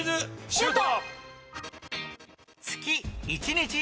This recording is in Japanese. シュート！